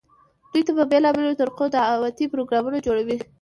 دوي ته په بيلابيلو طريقودعوتي پروګرامونه جوړووي،